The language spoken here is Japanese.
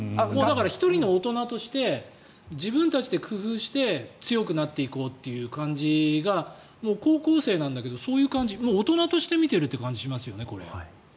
１人の大人として自分たちで工夫して強くなっていこうという感じが高校生なんだけどそういう感じ大人として見ているという感じがしますよね。